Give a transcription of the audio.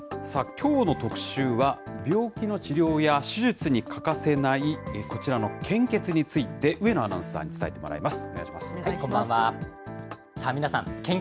きょうの特集は、病気の治療や手術に欠かせない、こちらの献血について、上野アナウンサーに伝えてもらいます。